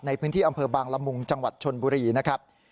ในพื้นที่อำเภอบางละมุงจังหวัดชนบุรีนะครับ